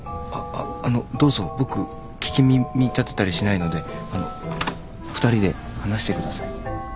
ああのどうぞ僕聞き耳立てたりしないのであの２人で話してください。